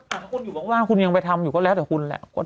ทุกคนอยู่บ้านคุณยังไปทำอยู่ก็แล้วแต่คุณแหละ